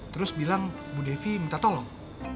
terus bilang bu devi minta tolong